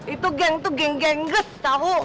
itu geng tuh geng gengget tahu